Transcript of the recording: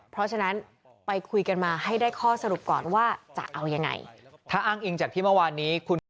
เพราะฉะนั้นไปคุยกันมาให้ได้ข้อสรุปก่อนว่าจะเอายังไง